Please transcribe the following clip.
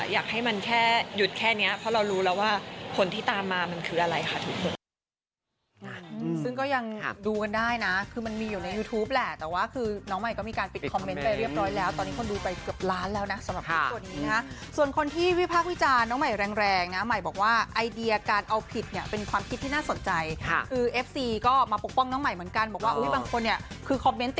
อยากให้มันแค่หยุดแค่นี้เพราะเรารู้แล้วว่าผลที่ตามมามันคืออะไรค่ะทุกคน